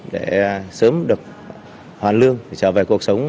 để sớm được hoàn lương trở về cuộc sống